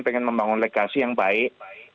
pengen membangun legasi yang baik